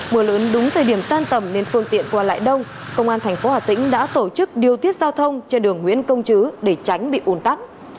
mưa lớn đúng thời điểm tan tầm nên phương tiện qua lại đông công an thành phố hà tĩnh đã tổ chức điều tiết giao thông trên đường nguyễn công chứ để tránh bị ủn tắc